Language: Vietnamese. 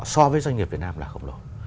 so với doanh nghiệp việt nam là không lâu